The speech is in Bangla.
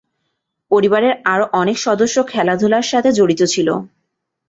পরিবারের আরও অনেক সদস্য খেলাধুলার সাথে জড়িত ছিল।